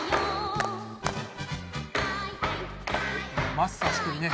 マスターしてるね。